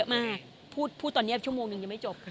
เยอะมากพูดตอนนี้ชั่วโมงหนึ่งจะไม่จบ